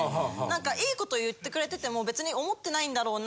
良いこと言ってくれてても別に思ってないんだろうな。